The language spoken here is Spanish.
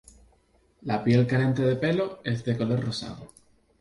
La piel carente de pelo es de color rosado.